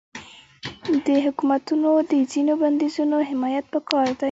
د حکومتونو د ځینو بندیزونو حمایت پکار دی.